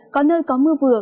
có nơi có mưa vừa